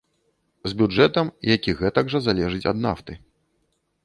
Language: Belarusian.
З бюджэтам, які гэтак жа залежыць ад нафты.